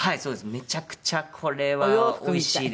めちゃくちゃこれはおいしいです。